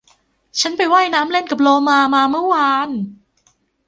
ฉันไปว่ายน้ำเล่นกับโลมามาเมื่อวาน